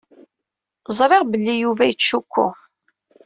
Ẓriɣ belli Yuba yettcukku.